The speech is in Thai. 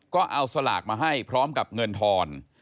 ก็เอาสลากมาให้พร้อมกับเงินทอน